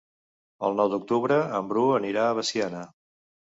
El nou d'octubre en Bru anirà a Veciana.